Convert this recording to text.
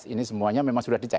ini semuanya memang sudah dicari